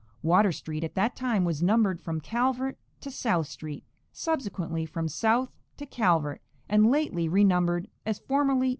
Water street at that time was numbered from Calvert to South street, subsequently from South to Calvert, and lately renumbered as formerly.